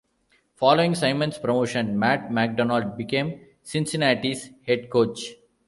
Following Simon's promotion, Matt MacDonald became Cincinnati's head coach.